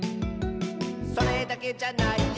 「それだけじゃないよ」